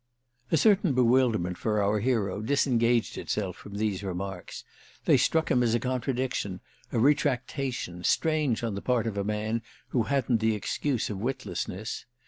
A certain bewilderment, for our hero, disengaged itself from these remarks: they struck him as a contradiction, a retractation, strange on the part of a man who hadn't the excuse of witlessness.